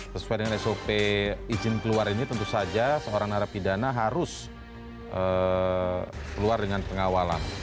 sesuai dengan sop izin keluar ini tentu saja seorang narapidana harus keluar dengan pengawalan